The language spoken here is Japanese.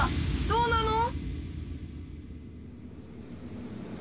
どうなの？